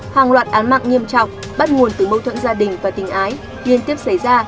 hàng loạt án mạng nghiêm trọng bắt nguồn từ mâu thuẫn gia đình và tình ái liên tiếp xảy ra